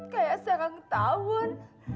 kayak sarang ketahuan